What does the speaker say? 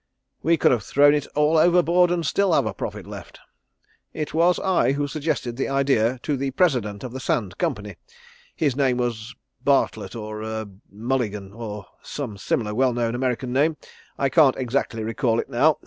We could have thrown it all overboard and still have a profit left. It was I who suggested the idea to the President of the Sand Company his name was Bartlett, or ah Mulligan or some similar well known American name, I can't exactly recall it now.